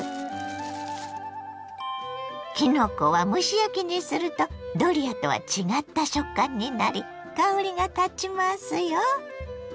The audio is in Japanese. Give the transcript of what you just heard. きのこは蒸し焼きにするとドリアとは違った食感になり香りがたちますよ。